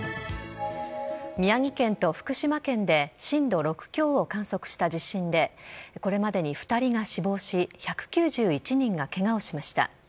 宮城県と福島県で震度６強を観測した地震でこれまでに２人が死亡し１９１人がケガをしました。